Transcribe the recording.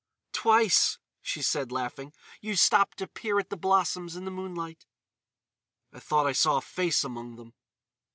"Twice," she said, laughing, "you stopped to peer at the blossoms in the moonlight." "I thought I saw a face among them."